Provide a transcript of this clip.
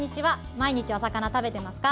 毎日お魚食べてますか。